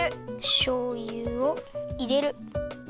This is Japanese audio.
しょうゆをいれる。